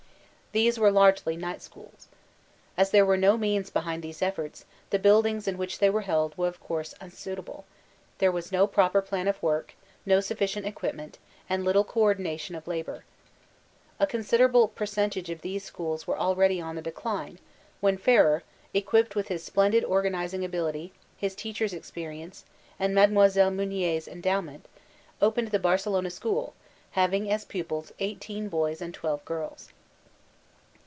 These were largely night schools. As there were no means behind these efforts, the buildings in which they were held were of course un suitable ; there was no proper plan of work ; no suflicient equipment, and little co ordination of labor. A consider able percentage of these schools were already on the 314 Vqltaiunk iiB Clbyxe decline, when Ferrer, equipped with his splendid Ofsanifl* ing ability, his teacher's experience, and MUe. Metmier's endowment, opened the Barcelona School, having as pu pils eighteen boys and twelve girls.